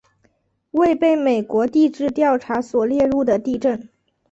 未被美国地质调查所列入的地震